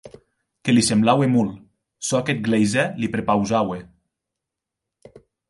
Que li semblaue molt, çò qu’eth gleisèr li prepausaue.